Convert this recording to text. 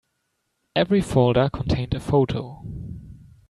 Every folder contained a photo.